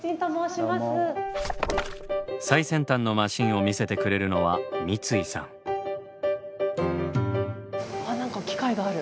最先端のマシンを見せてくれるのは何か機械がある。